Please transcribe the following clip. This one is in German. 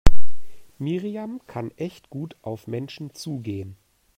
Miriam kann echt gut auf Menschen zugehen.